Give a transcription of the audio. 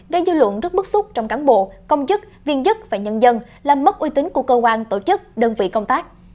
gây dư luận rất bức xúc trong cán bộ công chức viên chức và nhân dân làm mất uy tín của cơ quan tổ chức đơn vị công tác